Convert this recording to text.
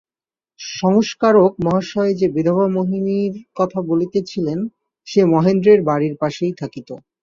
সংস্কারক মহাশয় যে বিধবা মোহিনীর কথা বলিতেছিলেন, সে মহেন্দ্রের বাড়ির পাশেই থাকিত।